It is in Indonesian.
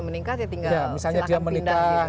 meningkat ya tinggal silahkan pindah